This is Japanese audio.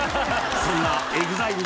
そんなＥＸＩＬＥ